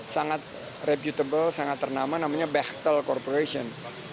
sangat reputable sangat ternama namanya bechtle corporation